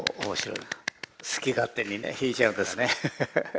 好き勝手にね弾いちゃうんですね。